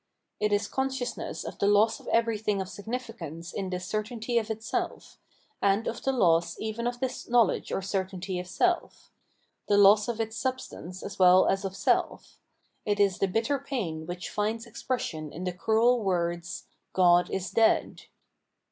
It is consciousness of the loss of everything of significance in this certainty of itself, and of the loss even of this knowledge or certainty of self — the loss of its substance as well as of self ; it is the bitter pain which finds expression in the cruel words, " God is dead."